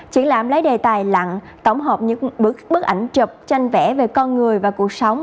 triển lãm lấy đề tài lặng tổng hợp những bức ảnh chụp tranh vẽ về con người và cuộc sống